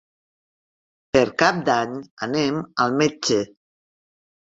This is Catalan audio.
Per Cap d'Any anem al metge.